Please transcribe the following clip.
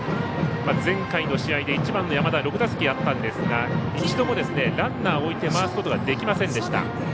前回の試合で１番の山田６打席あったんですが一度もランナーを置いて回すことができませんでした。